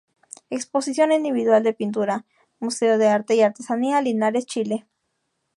Exposición Individual de Pintura, Museo de Arte y Artesanía, Linares, Chile.